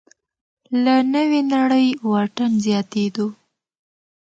له نوې نړۍ واټن زیاتېدو